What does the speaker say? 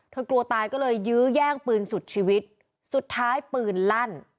กลัวตายก็เลยยื้อแย่งปืนสุดชีวิตสุดท้ายปืนลั่น